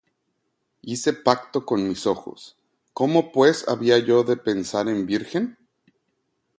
Hice pacto con mis ojos: ¿Cómo pues había yo de pensar en virgen?